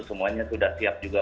semuanya sudah siap juga